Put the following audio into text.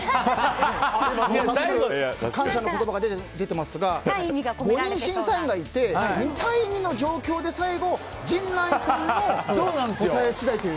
感謝の言葉が出てますが５人審査員がいて２対２の状況で最後陣内さんの答え次第という。